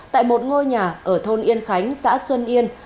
tại một ngôi nhà ở thôn yên khánh xã xuân yên